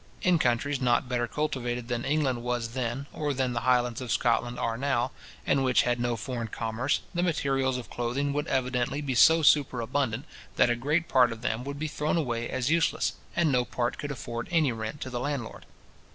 In countries not better cultivated than England was then, or than the Highlands of Scotland are now, and which had no foreign commerce, the materials of clothing would evidently be so superabundant, that a great part of them would be thrown away as useless, and no part could afford any rent to the landlord.